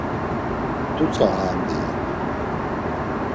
T̆utsa aan, deyi.